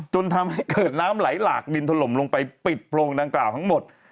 จนทำให้เกิดน้ำไหลหลากดินถล่มลงไปปิดโพรงดังกล่าวทั้งหมด